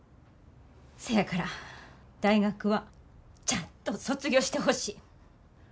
せやから大学はちゃんと卒業してほしい。